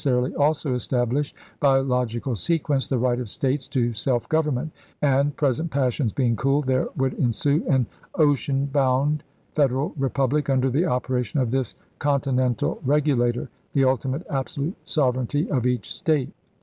sarily also establish, by logical sequence, the right of States to self government ; and, present passions being cooled, there would ensue " an Ocean bound Federal Republic, under the operation of this Con tinental Begulator — the ultimate absolute sov ereignty of each State."